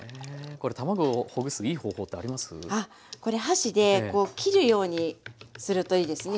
これ箸でこう切るようにするといいですね。